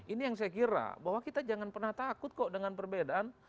ini yang saya kira bahwa kita jangan pernah takut kok dengan perbedaan